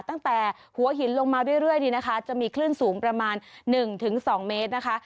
ตั้งแต่หัวหินลงมาเรื่อยนี่นะคะจะมีคลื่นสูงประมาณ๑๒เมตรนะคะ